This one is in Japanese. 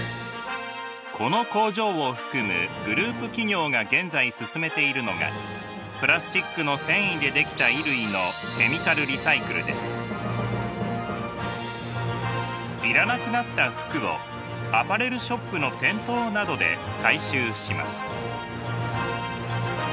この工場を含むグループ企業が現在進めているのがプラスチックの繊維で出来たいらなくなった服をアパレルショップの店頭などで回収します。